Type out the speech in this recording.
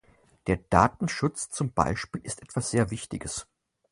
Der Datenschutz zum Beispiel ist etwas sehr Wichtiges.